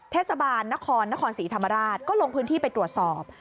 เทศบาลนครนครศรีธรรมราชก็ลงพื้นที่ไปตรวจสอบ